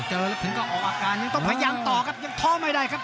พยายามต้องโดนเข้าใหม่ได้คับ